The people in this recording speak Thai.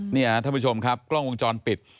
นี่ครับท่านผู้ชมครับกล้องวงจรปิด